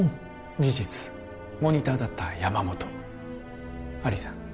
事実モニターだった山本アリさん